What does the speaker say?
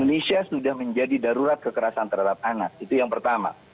indonesia sudah menjadi darurat kekerasan terhadap anak itu yang pertama